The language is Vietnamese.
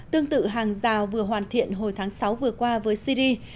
tương tự hàng rào vừa hoàn thiện hồi tháng sáu vừa qua với syri